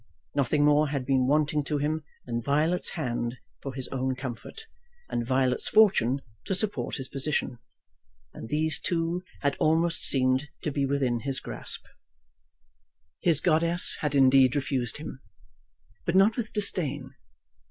Nothing more had been wanting to him than Violet's hand for his own comfort, and Violet's fortune to support his position; and these, too, had almost seemed to be within his grasp. His goddess had indeed refused him, but not with disdain.